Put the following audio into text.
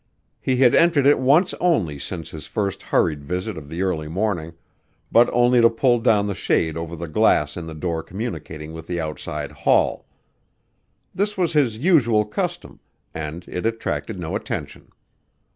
He had entered it once only since his first hurried visit of the early morning, but only to pull down the shade over the glass in the door communicating with the outside hall. This was his usual custom, and it attracted no attention.